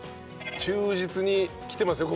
忠実にきてますよ